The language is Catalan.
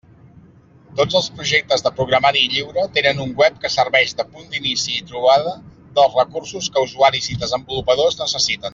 Tots els projectes de programari lliure tenen un web que serveix de punt d'inici i trobada dels recursos que usuaris i desenvolupadors necessiten.